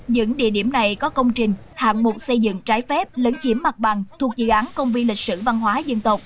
những địa điểm này có công trình hạng mục xây dựng trái phép lấn chiếm mặt bằng thuộc dự án công viên lịch sử văn hóa dân tộc